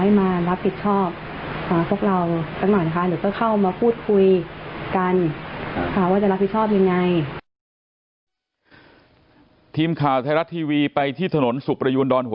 หรือก็เข้ามาพูดคุยกันจากนั้นค่ะว่าจะรับผิดชอบยังไง